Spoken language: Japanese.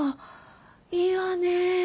いいわね。